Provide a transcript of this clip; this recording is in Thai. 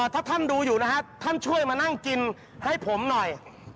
ถ้าท่านดูอยู่นะฮะท่านช่วยมานั่งกินให้ผมหน่อย